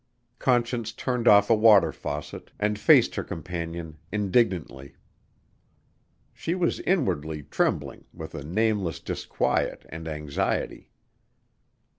Conscience turned off a water faucet and faced her companion indignantly. She was inwardly trembling, with a nameless disquiet and anxiety.